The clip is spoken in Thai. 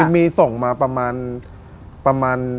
มีส่งมาประมาณ